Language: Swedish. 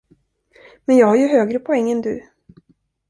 Men jag har ju högre poäng än du.